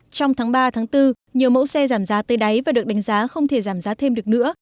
trong tháng ba bốn nhiều mẫu xe giảm giá tây đáy và được đánh giá không thể giảm giá thêm được nữa